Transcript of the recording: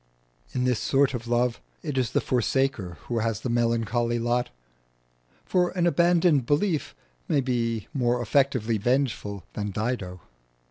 In this sort of love it is the forsaker who has the melancholy lot; for an abandoned belief may be more effectively vengeful than Dido.